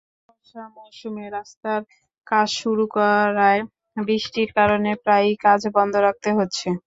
বর্ষা মৌসুমে রাস্তার কাজ শুরু করায় বৃষ্টির কারণে প্রায়ই কাজ বন্ধ রাখতে হচ্ছে।